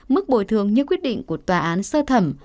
mức bồi thường như quyết định của tòa án sơ thẩm